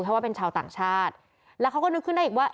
เพราะว่าเป็นชาวต่างชาติแล้วเขาก็นึกขึ้นได้อีกว่า